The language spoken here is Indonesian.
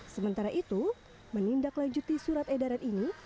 sementara itu menindaklanjuti surat edaran ini